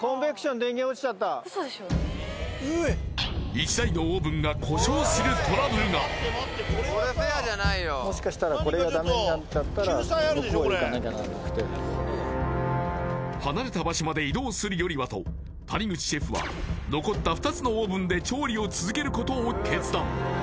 １台のオーブンが故障するトラブルが離れた場所まで移動するよりはと谷口シェフは残った２つのオーブンで調理を続けることを決断